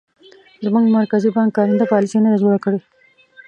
زموږ مرکزي بانک کارنده پالیسي نه ده جوړه کړې.